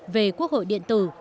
về quốc hội điện tử